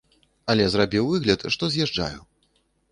Але зрабіў выгляд, што з'язджаю.